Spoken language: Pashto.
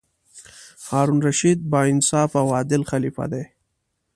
هارون الرشید با انصافه او عادل خلیفه دی.